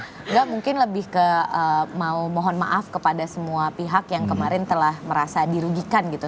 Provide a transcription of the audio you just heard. tidak mungkin lebih ke mau mohon maaf kepada semua pihak yang kemarin telah merasa dirugikan gitu